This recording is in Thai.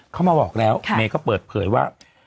เขามาบอกแล้วเมย์ก็เปิดเผยว่า